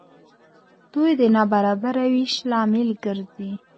دوی د نابرابره وېش لامل ګرځي.